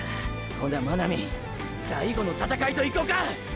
ほな真波最後の闘いといこか！！